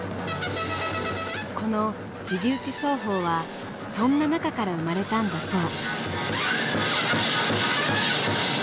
この「肘打ち奏法」はそんな中から生まれたんだそう。